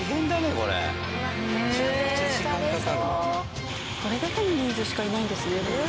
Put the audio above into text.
これだけの人数しかいないんですねでも。